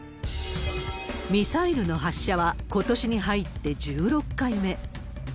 ミサイルの発射は、ことしに入って１６回目。